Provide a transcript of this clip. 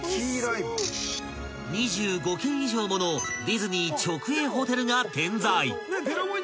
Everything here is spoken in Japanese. ［２５件以上ものディズニー直営ホテルが点在］